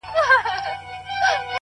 ولاړم دا ځل تر اختتامه پوري پاته نه سوم-